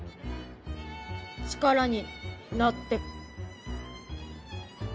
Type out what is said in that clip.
力になって。